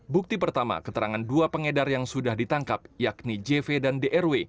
bukti pertama keterangan dua pengedar yang sudah ditangkap yakni jv dan drw